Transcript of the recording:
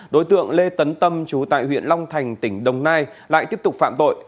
đối tượng lê tấn tâm trú tại huyện long thành tỉnh đồng nai lại tiếp tục phạm tội